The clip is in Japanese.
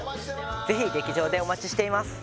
ぜひ劇場でお待ちしています